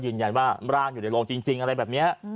ยืนยันว่าร่างอยู่ในโรงจริงอะไรแบบนี้